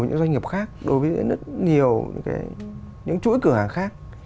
những doanh nghiệp khác